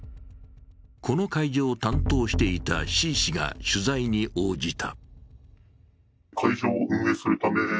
この会場を担当していたＣ氏が取材に応じた。